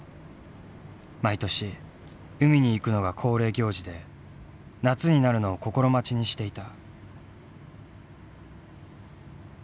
毎年海に行くのが恒例行事で夏になるのを心待ちにしていた。